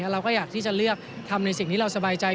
เราก็อยากที่จะเลือกทำในสิ่งที่เราสบายใจ